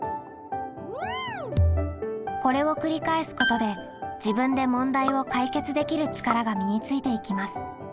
これを繰り返すことで「自分で問題を解決できる力」が身についていきます。